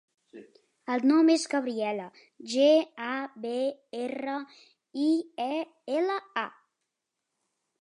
El nom és Gabriela: ge, a, be, erra, i, e, ela, a.